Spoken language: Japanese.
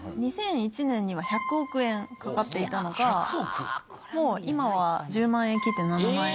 ２００１年には１００億円かかっていたのがもう今は１０万円切って７万円。